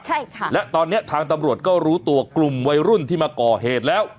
ใช่ค่ะและตอนนี้ทางตำรวจก็รู้ตัวกลุ่มวัยรุ่นที่มาก่อเหตุแล้ว